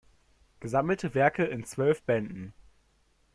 Gesammelte Werke in zwölf Bänden.